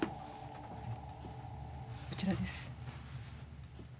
こちらです。